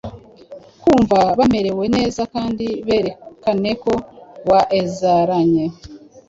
kumva bamerewe neza kandi berekane ko waezeranye